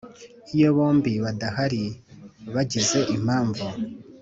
Iyo bombi badahari bagize impamvu